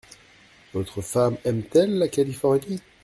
Votre femme aime-t-elle la Californie ?